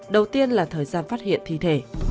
đầu tiên là thời gian phát hiện thi thể